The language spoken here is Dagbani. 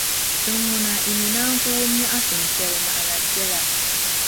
din ŋuna yi mi naan ku wum nyεɣisim shεli naɣila biɛla.